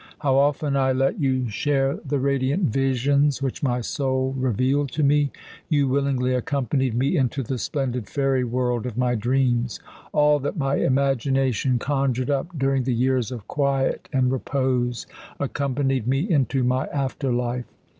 How often I let you share the radiant visions which my soul revealed to me! You willingly accompanied me into the splendid fairy world of my dreams. All that my imagination conjured up during the years of quiet and repose accompanied me into my after life.